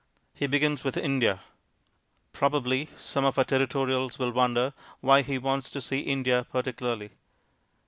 He begins with India. Probably some of our Territorials will wonder why he wants to see India particularly.